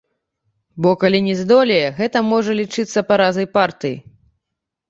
Бо, калі не здолее, гэта можа лічыцца паразай партыі.